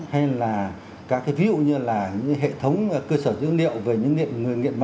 hay là các cái ví dụ như là những hệ thống cơ sở dữ liệu về những người nghiện ma